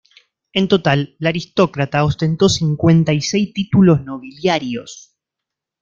En total la aristócrata ostentó cincuenta y seis títulos nobiliarios.